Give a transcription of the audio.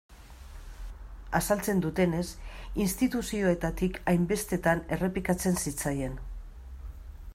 Azaltzen dutenez, instituzioetatik hainbestetan errepikatzen zitzaien.